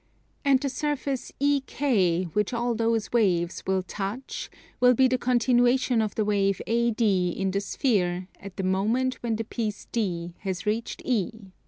And the surface EK which all those waves will touch, will be the continuation of the wave AD in the sphere at the moment when the piece D has reached E.